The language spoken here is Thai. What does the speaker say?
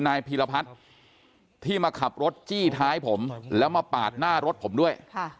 พีรพัฒน์ที่มาขับรถจี้ท้ายผมแล้วมาปาดหน้ารถผมด้วย